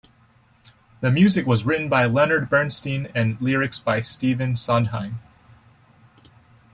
The music was written by Leonard Bernstein and lyrics by Stephen Sondheim.